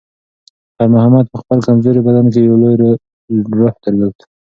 خیر محمد په خپل کمزوري بدن کې یو لوی روح درلود.